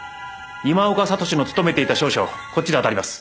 今岡智司の勤めていた商社をこっちであたります。